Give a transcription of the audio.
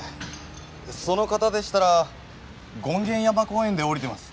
その方でしたら権現山公園で降りてます。